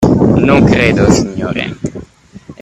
Non credo, signore.